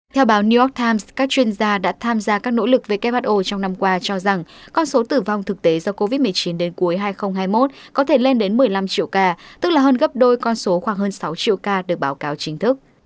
theo báo new york times các chuyên gia đã tham gia các nỗ lực who trong năm qua cho rằng con số tử vong thực tế do covid một mươi chín đến cuối hai nghìn hai mươi một có thể lên đến một mươi năm triệu ca tức là hơn gấp đôi con số khoảng hơn sáu triệu ca được báo cáo chính thức